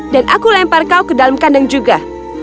dan aku lempar kau ke dalam kandang juga